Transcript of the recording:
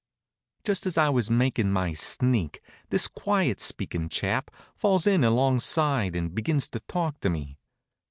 Just as I was makin' my sneak this quiet speakin' chap falls in alongside and begins to talk to me.